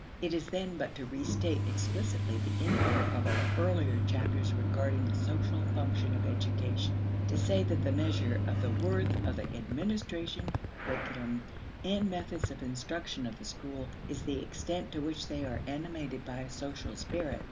It is then but to restate explicitly the import of our earlier chapters regarding the social function of education to say that the measure of the worth of the administration, curriculum, and methods of instruction of the school is the extent to which they are animated by a social spirit.